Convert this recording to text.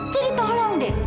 jadi tolong de